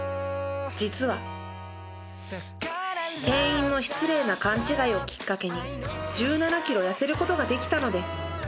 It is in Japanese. ［店員の失礼な勘違いをきっかけに１７ｋｇ痩せることができたのです］